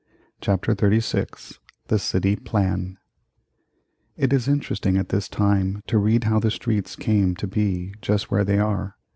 CHAPTER XXXVI THE CITY PLAN It is interesting at this time to read how the streets came to be just where they are.